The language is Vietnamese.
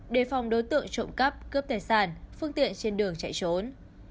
đề phòng đối tượng trộm cắp cướp tài sản phương tiện trên đường chạy trốn